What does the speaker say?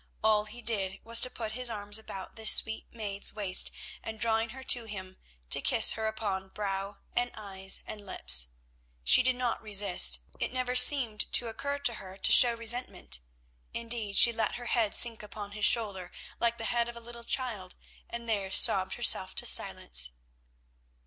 All he did was to put his arms about this sweet maid's waist, and, drawing her to him, to kiss her upon brow and eyes and lips. She did not resist; it never seemed to occur to her to show resentment; indeed, she let her head sink upon his shoulder like the head of a little child, and there sobbed herself to silence.